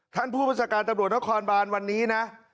ท่านผู้บันทรการตำรวจหน้าคอร์ลบานวันนี้นะ